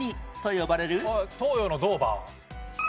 東洋のドーバー。